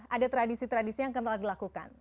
ada tradisi tradisi yang kental dilakukan